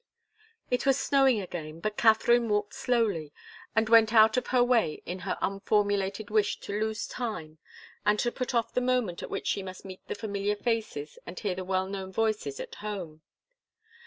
It was snowing again, but Katharine walked slowly, and went out of her way in her unformulated wish to lose time, and to put off the moment at which she must meet the familiar faces and hear the well known voices at home.